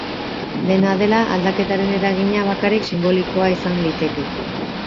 Dena dela, aldaketaren eragina bakarrik sinbolikoa izan liteke.